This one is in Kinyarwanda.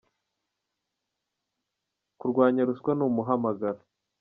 Kurwanya ruswa ni umuhamagaro